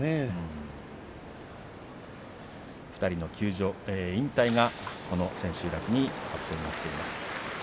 ２人の引退がこの千秋楽に発表になっています。